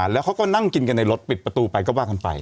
แล้วเขาก็นั่งกินกันในรถปิดประตูไปก็ว่ากันไป